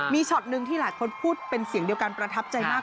มีช็อตหนึ่งที่หลายคนพูดเป็นเสียงเดียวกันประทับใจมาก